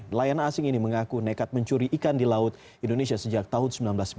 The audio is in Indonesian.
nelayan asing ini mengaku nekat mencuri ikan di laut indonesia sejak tahun seribu sembilan ratus sembilan puluh